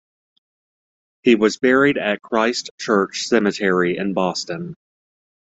He was buried at Christ Church Cemetery in Boston.